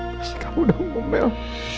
pasti kamu udah ngomel